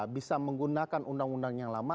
bisa menggunakan undang undang yang lama